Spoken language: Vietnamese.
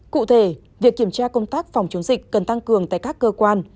cụ thể việc kiểm tra công tác phòng chống dịch cần tăng cường tại các cơ quan